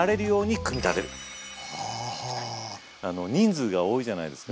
人数が多いじゃないですか。